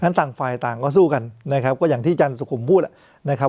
ต่างฝ่ายต่างก็สู้กันนะครับก็อย่างที่อาจารย์สุขุมพูดนะครับ